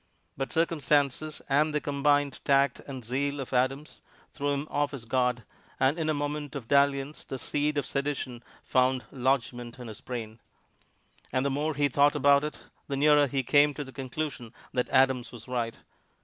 But circumstances and the combined tact and zeal of Adams threw him off his guard, and in a moment of dalliance the seeds of sedition found lodgment in his brain. And the more he thought about it, the nearer he came to the conclusion that Adams was right.